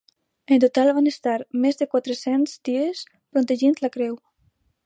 En total, van estar més de quatre-cents dies protegint la creu.